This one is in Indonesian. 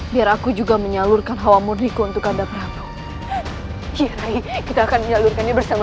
biar aku juga menyalurkan hawa murniku untuk anda perabu kita akan bersama sama